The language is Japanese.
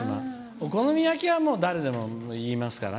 お好み焼きは誰でも言いますから。